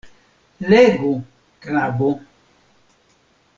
Legu, knabo.